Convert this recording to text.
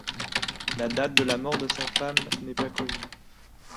La date de la mort de sa femme n’est pas connue.